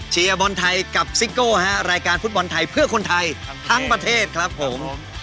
บอลไทยกับซิโก้ฮะรายการฟุตบอลไทยเพื่อคนไทยทั้งประเทศครับผม